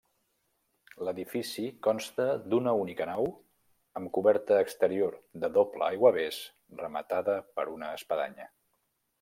L'edifici consta d'una única nau amb coberta exterior de doble aiguavés, rematada per una espadanya.